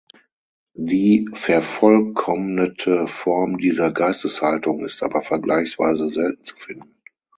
Die vervollkommnete Form dieser Geisteshaltung ist aber vergleichsweise selten zu finden.